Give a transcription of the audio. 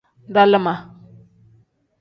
Dalima.